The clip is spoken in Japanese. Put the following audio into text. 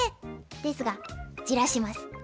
ですが焦らします。